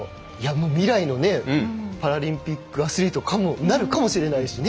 未来のねパラリンピックアスリートなるかもしれないしね。